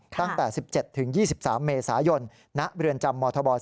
ตั้งแต่๑๗๒๓เมษายนณจม๔๓